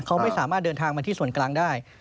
เขาไม่สามารถเดินทางมาที่ส่วนกลางได้